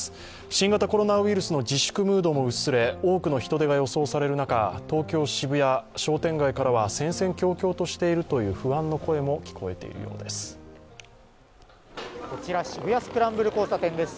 新型コロナウルイスの自粛ムードも薄れ、多くの人出が予想される中、東京・渋谷、商店街からは戦々恐々としているというこちら、渋谷スクランブル交差点です。